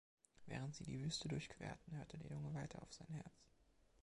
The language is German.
Während sie die Wüste durchquerten, hörte der Junge weiter auf sein Herz.